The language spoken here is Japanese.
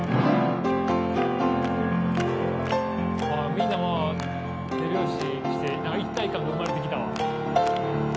みんな手拍子して一体感が生まれてきたわ。